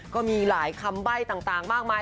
ก็มีหลายคำใบ้ต่างมากมาย